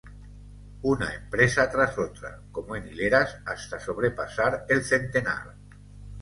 Una empresa tras otra, como en hileras, hasta sobrepasar el centenar.